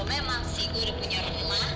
memang sih gue udah punya rumah